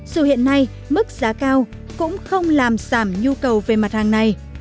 dù hiện nay mức giá cao cũng không làm giảm nhu cầu về mặt hàng này